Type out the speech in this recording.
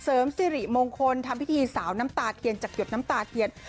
เสริมสิริมงคลทำพิธีสาวน้ำตาเทียนจากหยดน้ำตาเทียน